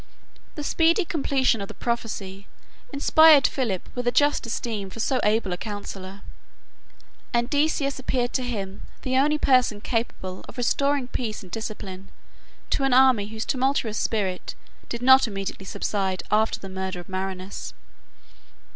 The speedy completion of the prophecy inspired Philip with a just esteem for so able a counsellor; and Decius appeared to him the only person capable of restoring peace and discipline to an army whose tumultuous spirit did not immediately subside after the murder of Marinus.